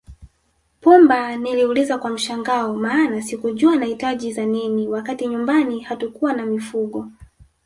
Pumba niliuliza kwa mshangao maana sikujua anahitaji za nini wakati nyumbani hatukuwa na mifugo